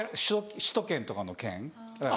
首都圏とかの「圏」。